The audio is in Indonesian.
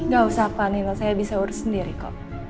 gak usah pak nino saya bisa urus sendiri kok